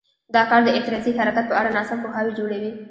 دا کار د اعتراضي حرکت په اړه ناسم پوهاوی جوړوي.